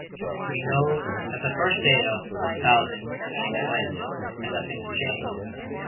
We know that the first day of 1,000 came and went, and nothing was changed.